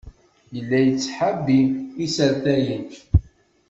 Yella yetthabi isertayen.